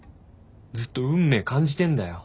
ずっと「運命」感じてんだよ。